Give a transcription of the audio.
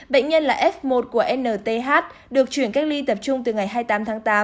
bệnh nhân là f một của nhth được chuyển cách ly tập trung từ ngày hai mươi tám tháng tám